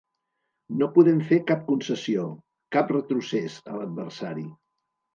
No podem fer cap concessió, cap retrocés, a l’adversari.